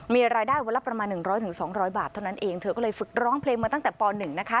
มีรายได้วันละประมาณ๑๐๐๒๐๐บาทเท่านั้นเองเธอก็เลยฝึกร้องเพลงมาตั้งแต่ป๑นะคะ